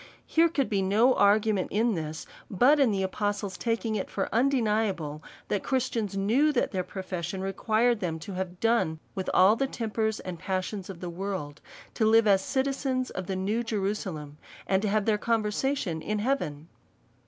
Here could be no argument in this, but in the apostle's taking it for undeniable^ that Christians knew, that their profession required them to have done with all the tempers and passions of this world, to live as citizens of the new Jerusalem, and to have their conversation in heaven.